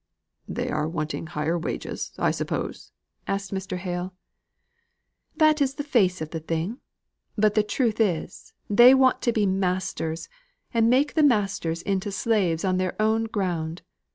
"They are wanting higher wages, I suppose?" asked Mr. Hale. "That is the face of the thing. But the truth is, they want to be masters, and make the masters into slaves on their own ground.